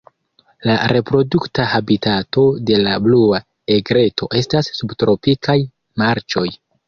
La reprodukta habitato de la Blua egreto estas subtropikaj marĉoj.